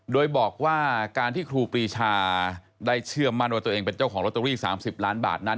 โดยบอกว่าการที่ครูปรีชาได้เชื่อมั่นว่าตัวเองเป็นเจ้าของลอตเตอรี่๓๐ล้านบาทนั้น